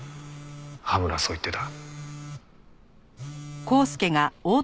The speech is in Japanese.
羽村はそう言ってた。